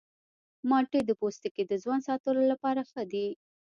مالټې د پوستکي د ځوان ساتلو لپاره ښه دي.